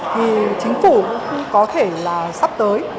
thì chính phủ cũng có thể là sắp tới